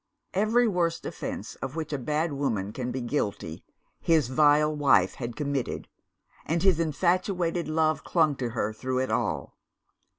Every worst offence of which a bad woman can be guilty, his vile wife had committed and his infatuated love clung to her through it all.